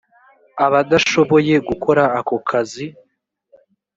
abadashoboye gukora ako kazi